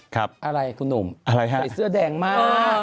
ครับอะไรคุณหนุ่มใส่เสื้อแดงมากครับอะไรครับ